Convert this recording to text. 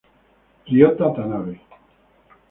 Ryota Tanabe